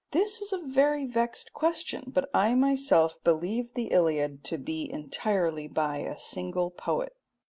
This is a very vexed question, but I myself believe the Iliad to be entirely by a single poet.